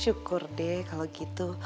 syukur deh kalo gitu